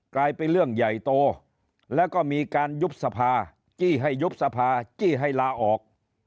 กลายเป็นเรื่องใหญ่โตแล้วก็มีการยุบสภาจี้ให้ยุบสภาจี้ให้ลาออก